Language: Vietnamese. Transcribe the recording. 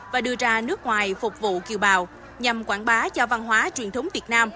và đưa ra nước ngoài phục vụ kiều bào nhằm quảng bá cho văn hóa truyền thống việt nam